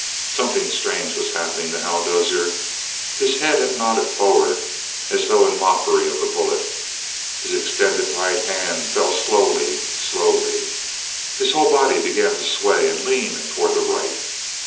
Something strange was happening to Hal Dozier. His head had nodded forward as though in mockery of the bullet; his extended right hand fell slowly, slowly; his whole body began to sway and lean toward the right.